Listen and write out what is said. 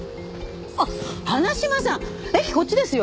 あっ花島さん駅こっちですよ！